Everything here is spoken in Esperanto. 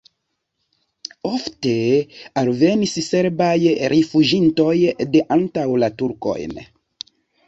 Ofte alvenis serbaj rifuĝintoj de antaŭ la turkojn.